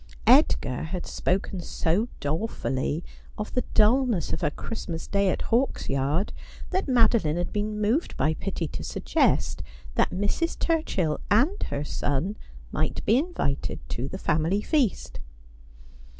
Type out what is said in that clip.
Edgar had spoken so dolefully of the dulness of a Christmas Day at Hawksyard that Madeline had been moved by pity to suggest that Mrs. Turchill and her son might be invited to the family feast.